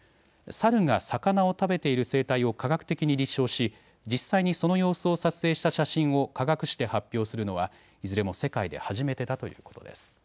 サルが魚を食べている生態を科学的に立証し、実際にその様子を撮影した写真を科学誌で発表するのはいずれも世界で初めてだということです。